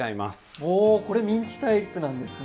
おおこれミンチタイプなんですね。